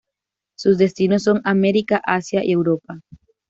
Sus destinos son America, Asia y Europa.